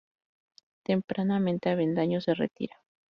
Tempranamente Avendaño se retira.